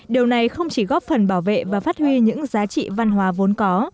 điều này không chỉ góp phần bảo vệ và phát huy những giá trị văn hóa vốn có